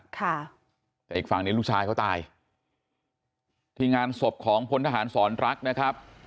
ค่ะแต่อีกฝั่งนี้ลูกชายเขาตายที่งานศพของพลทหารสอนรักนะครับ